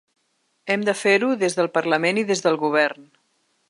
Hem de fer-ho des del parlament i des del govern.